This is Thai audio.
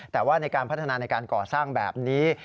แต่ว่าในการพัฒนาในการก่อสร้างแบบนี้